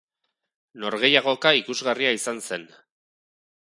Norgehiagoka ikusgarria izan zen.